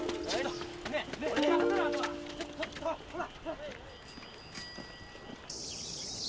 ほら。